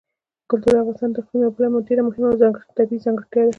کلتور د افغانستان د اقلیم یوه بله ډېره مهمه او طبیعي ځانګړتیا ده.